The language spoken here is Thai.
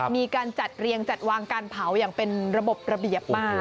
มีการจัดเรียงจัดวางการเผาอย่างเป็นระบบระเบียบมาก